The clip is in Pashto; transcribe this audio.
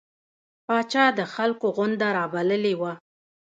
پاچا د خلکو غونده رابللې وه.